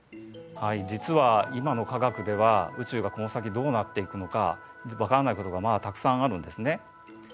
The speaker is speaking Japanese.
はい実は今の科学では宇宙がこの先どうなっていくのか分からないことがまだたくさんあるんですね。